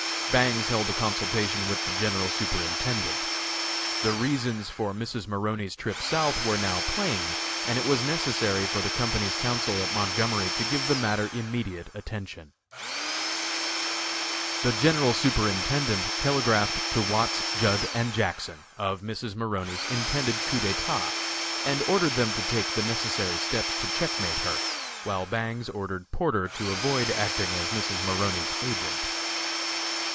Bangs held a consultation with the General Superintendent. The reasons for Mrs. Maroney's trip South were now plain, and it was necessary for the company's counsel at Montgomery to give the matter immediate attention. The General Superintendent telegraphed to Watts, Judd & Jackson of Mrs. Maroney's intended coup d'état, and ordered them to take the necessary steps to checkmate her, while Bangs ordered Porter to avoid acting as Mrs. Maroney's agent.